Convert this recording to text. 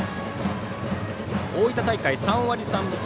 大分大会、３割３分３厘。